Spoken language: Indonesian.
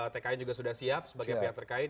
tkn juga sudah siap sebagai pihak terkait